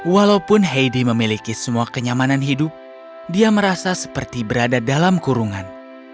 walaupun heidi memiliki semua kenyamanan hidup dia merasa seperti berada dalam kurungan